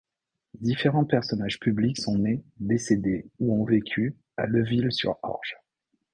Différents personnages publics sont nés, décédés ou ont vécu à Leuville-sur-Orge.